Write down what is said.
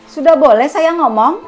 sudah boleh sayang